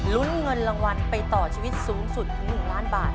ลุ้นเงินรางวัลไปต่อชีวิตสูงสุดถึง๑ล้านบาท